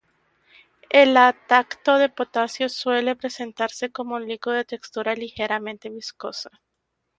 El lactato de potasio suele presentarse como un líquido de textura ligeramente viscosa.